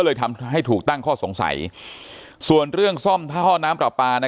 เลยทำให้ถูกตั้งข้อสงสัยส่วนเรื่องซ่อมท่อน้ำปลาปลา